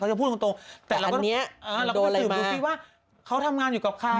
เขาจะพูดตรงแต่แล้วเรียกว่าเขาทำงานอยู่กับใคร